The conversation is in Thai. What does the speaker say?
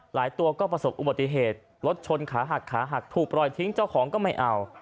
ตัวก็ประสบอุบัติเหตุรถชนขาหักขาหักถูกปล่อยทิ้งเจ้าของก็ไม่เอา